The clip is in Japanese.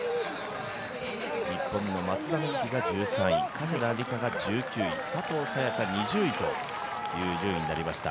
日本の松田瑞生が１３位、加世田梨花が１９位、佐藤早也伽２０位という順位になりました。